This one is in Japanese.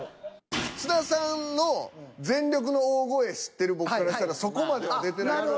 津田さんの全力の大声知ってる僕からしたらそこまでは出てないから。